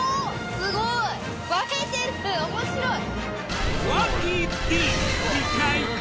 すごい映えてる面白い！